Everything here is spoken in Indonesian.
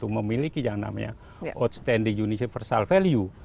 memiliki yang namanya outstanding universal value